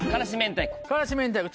辛子明太子。